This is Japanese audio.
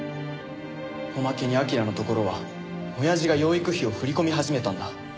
おまけに彬のところは親父が養育費を振り込み始めたんだ。